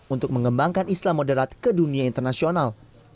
untuk mengembangkan islam moderat ke dunia internasional